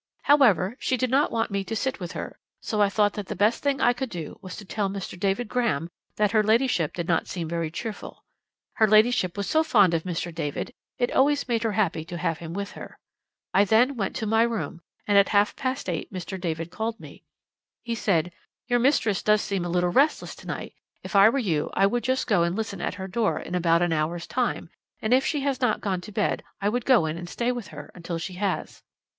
"'However, she did not want me to sit with her, so I thought that the best thing I could do was to tell Mr. David Graham that her ladyship did not seem very cheerful. Her ladyship was so fond of Mr. David; it always made her happy to have him with her. I then went to my room, and at half past eight Mr. David called me. He said: "Your mistress does seem a little restless to night. If I were you I would just go and listen at her door in about an hour's time, and if she has not gone to bed I would go in and stay with her until she has."